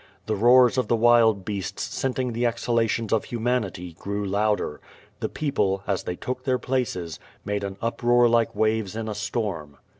The roars of the wild beasts scenting the exhalations of humanity, grew louder. The peo ple, as they took their places, made an uproar like waves in a storm.